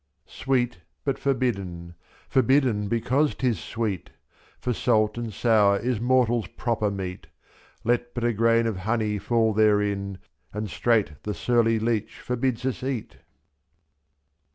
73 Sweet but forbidden — forbidden because 'tis sweet ! For salt and sour is mortal's proper meat, r/x. Let but a grain of honey fall therein. And straight the surly leech forbids us eat.